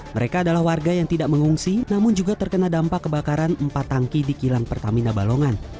mereka adalah warga yang tidak mengungsi namun juga terkena dampak kebakaran empat tangki di kilang pertamina balongan